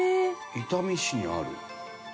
伊丹市にある。